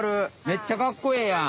めっちゃかっこええやん。